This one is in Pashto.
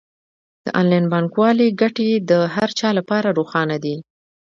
د انلاین بانکوالۍ ګټې د هر چا لپاره روښانه دي.